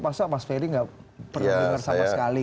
mas ferry nggak pernah dengar sama sekali